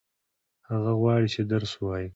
هغه غواړي چې درس ووايي.